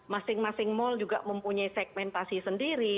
masing masing mal juga mempunyai segmentasi sendiri